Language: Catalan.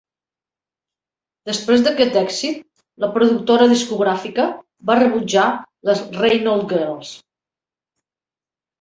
Després d'aquest èxit, la productora discogràfica va rebutjar les Reynold Girls.